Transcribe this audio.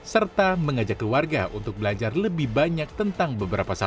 serta mengajak keluarga untuk belajar lebih banyak tentang beberapa hal